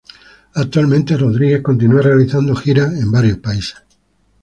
Actualmente Rodríguez continua realizando giras en varios países.